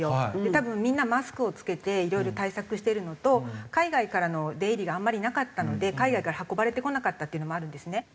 多分みんなマスクを着けていろいろ対策してるのと海外からの出入りがあんまりなかったので海外から運ばれてこなかったっていうのもあるんですね。